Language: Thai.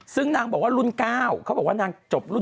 ซึ่งนางบอกว่ารุ่น๙เขาบอกว่านางจบรุ่น